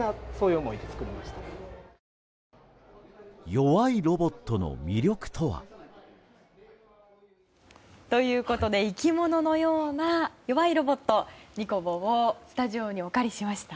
弱いロボットの魅力とは。ということで生き物のような弱いロボットＮＩＣＯＢＯをスタジオにお借りしました。